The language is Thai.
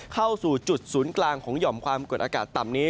เข้าสู่จุดศูนย์กลางของหย่อมความกดอากาศต่ำนี้